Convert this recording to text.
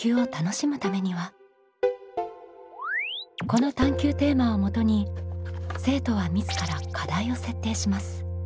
この探究テーマをもとに生徒は自ら課題を設定します。